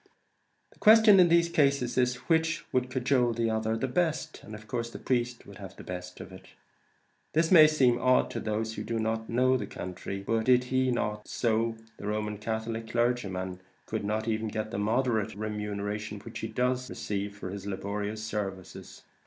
The question in these cases is, which would cajole the other the best, and of course the priest would have the best of it. This may seem odd to those who do not know the country; but did he not do so, the Roman Catholic clergyman could not get even the moderate remuneration which he does receive for his laborious services.